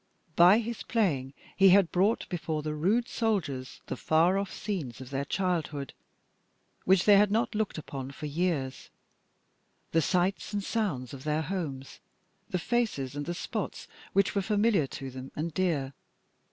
By his playing he had brought before the rude soldiers the far off scenes of their childhood, which they had not looked upon for years the sights and sounds of their homes, the faces and the spots which were familiar to them and dear.